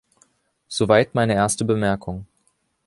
Soweit meine erste Bemerkung.